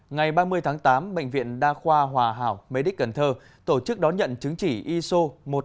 ngày ba mươi tháng tám bệnh viện đa khoa hòa hảo mê đích cần thơ tổ chức đón nhận chứng chỉ iso một mươi năm nghìn một trăm tám mươi chín hai nghìn một mươi hai